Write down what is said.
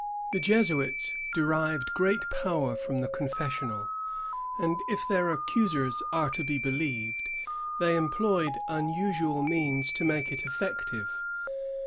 ^ The Jesuits derived great power from the confes sional; and, if their accusers are to be believed, they employed unusual means to make it effective.